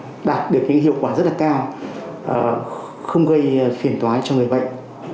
và đạt được những hiệu quả rất là cao không gây phiền tói cho người bệnh